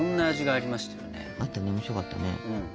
あったね面白かったね。